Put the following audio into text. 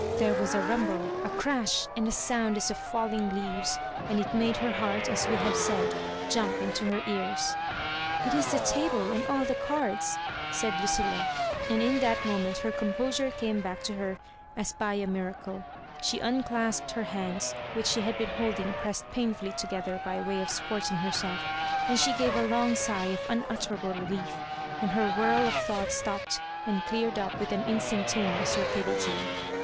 There was a rumble, a crash, and a sound as of fSaJling leaves, and it made her heart, as we have said, jump into her ears. '' It is the table and all tho cards," said Lucilla, and in that mo ment her composure came back to her as by a miracle, She unclasped her hands, whidi she had been holding pressed painfully together by way of supporting herself| and she gave a long sigh of unutterable relief, and her whirl of thought stopped and cleared up with an instan taneous rapidity.